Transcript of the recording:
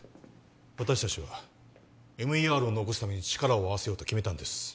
私達はＭＥＲを残すために力を合わせようと決めたんです